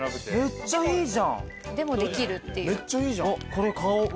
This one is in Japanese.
これ買おう